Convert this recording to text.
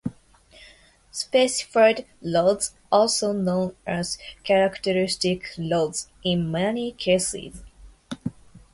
Specified Loads also known as Characteristic loads in many cases.